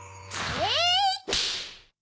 えっ！